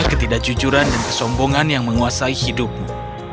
ketidakjujuran dan kesombongan yang menguasai hidupmu